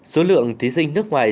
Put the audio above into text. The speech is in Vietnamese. số lượng thí sinh nước ngoài